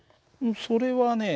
それはね